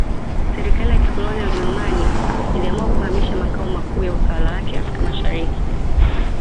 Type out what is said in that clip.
Serikali ya kikoloni ya Kijerumani iliamua kuhamisha makao makuu ya utawala wake Afrika Mashariki